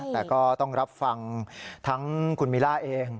แต่ก็ต้องรับฟังทั้งคุณมิล่าเอง